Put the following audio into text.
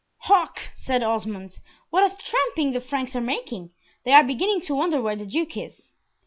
"Hark!" said Osmond, "what a tramping the Franks are making. They are beginning to wonder where the Duke is."